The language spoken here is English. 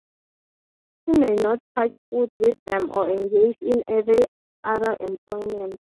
He may not touch food with them or engage in any other employment.